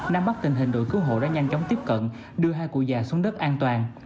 nam bắt tình hình đội cứu hộ đã nhanh chóng tiếp cận đưa hai cụ già xuống đất an toàn